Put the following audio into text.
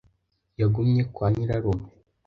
yagumye kwa nyirarume.